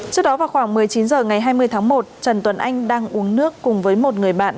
trước đó vào khoảng một mươi chín h ngày hai mươi tháng một trần tuấn anh đang uống nước cùng với một người bạn